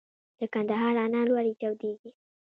د کندهار انار ولې چاودیږي؟